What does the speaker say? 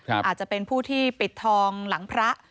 อาจจะเป็นผู้ที่ปิดทองหลังพระ